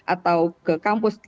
atau ke kampus